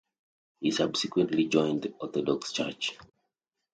He subsequently joined the Orthodox Church.